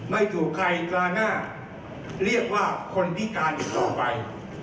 ไม่ถูกใครกล้าหน้าเรียกว่าคนพิการอีกต่อไป